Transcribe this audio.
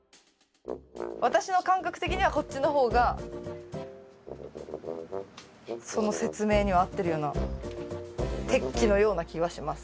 私の感覚的にはこっちの方がその説明には合ってるような適期のような気はします。